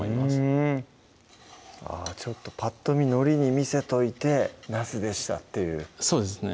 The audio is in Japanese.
うんあぁぱっと見のりに見せといてなすでしたっていうそうですね